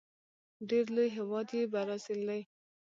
ډیر لوی هیواد یې برازيل دی.